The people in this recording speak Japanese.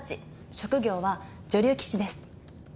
職業は女流棋士です。